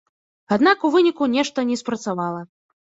Аднак у выніку нешта не спрацавала.